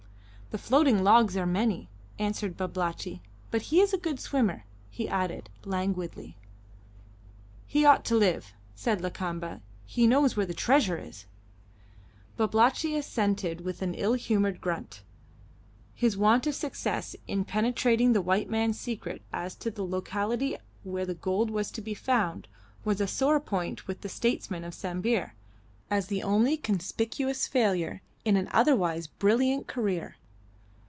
"The floating logs are many," answered Babalatchi, "but he is a good swimmer," he added languidly. "He ought to live," said Lakamba; "he knows where the treasure is." Babalatchi assented with an ill humoured grunt. His want of success in penetrating the white man's secret as to the locality where the gold was to be found was a sore point with the statesman of Sambir, as the only conspicuous failure in an otherwise brilliant career.